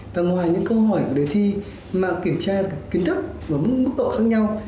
và ngoài những câu hỏi của đề thi mà kiểm tra kiến thức ở mức độ khác nhau